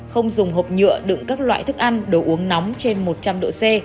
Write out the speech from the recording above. không dùng hộp nhựa đựng các loại thức ăn đồ uống nóng trên một trăm linh độ c